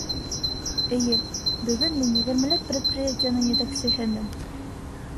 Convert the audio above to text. Эйе, бөгөн мин егермеләп предприятиеның етәксеһемен.